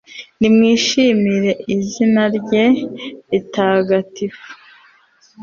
nimwishimire izina rye ritagatifu